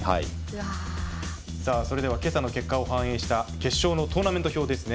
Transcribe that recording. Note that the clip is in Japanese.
それでは今朝の結果を反映した決勝のトーナメント表ですね。